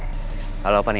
cashco carga sekarang sih